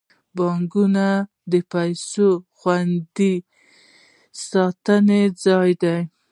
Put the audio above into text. بانکونه د پیسو د خوندي ساتلو ځایونه دي.